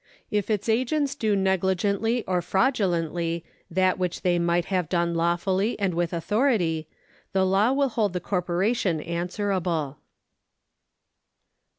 If its agents do negligently or fraudulently that which they might have done lawfully and with authority, the law will hold the corporation answerable.